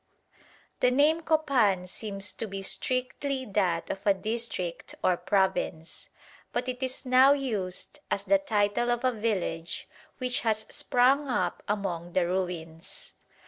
The name Copan seems to be strictly that of a district or province; but it is now used as the title of a village which has sprung up among the ruins.